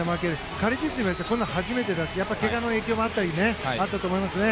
彼自身もこんなの初めてだしけがの影響もあったりしたと思いますね。